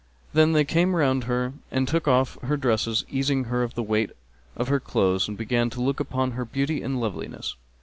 Then they came round her and took off her dresses easing her of the weight of her clothes and began to look upon her beauty and loveliness.